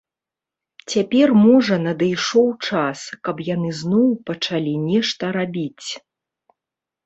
Цяпер, можа, надышоў час, каб яны зноў пачалі нешта рабіць.